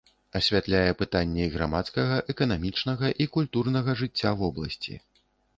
Асвятляе пытанні грамадскага, эканамічнага і культурнага жыцця вобласці.